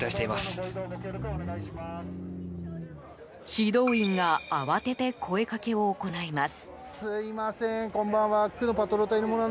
指導員が慌てて声かけを行います。